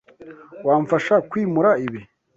Wamfasha kwimura ibi?